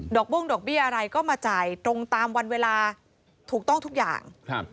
โบ้งดอกเบี้ยอะไรก็มาจ่ายตรงตามวันเวลาถูกต้องทุกอย่างครับ